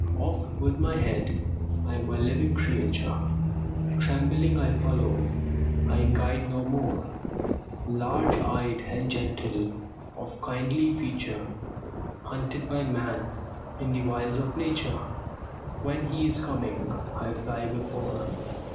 Off with my head! I'm a living creature; Trembling I follow, I guide no more; Large eyed and gentle, of kindly feature, Hunted by man; in the wilds of nature, When he is coming, I fly before.